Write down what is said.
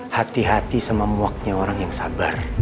hati hati sama muaknya orang yang sabar